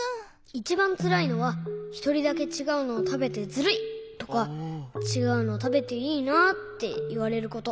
いちばんつらいのは「ひとりだけちがうのをたべてずるい」とか「ちがうのたべていいな」っていわれること。